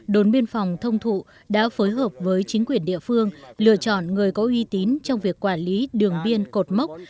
đồn biên phòng thông thụ đã phối hợp với chính quyền địa phương lựa chọn người có uy tín trong việc quản lý đường biên cột mốc